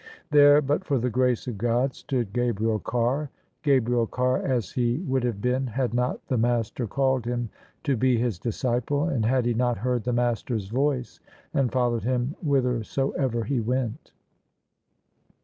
There, but for the grace of God, stood Gabriel Carr — Gabriel Carr as he would have been had not the Master called him to be His disciple, and had he not heard the Master's Voice and followed Him whithersoever He went.